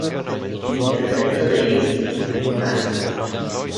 El resto de ellos insignificantes.